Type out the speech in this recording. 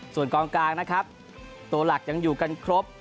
ส่วนกองกลางนะครับตัวหลักยังอยู่กันครบ